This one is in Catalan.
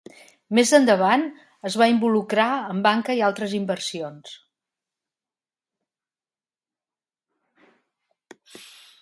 Més endavant es va involucrar en banca i altres inversions.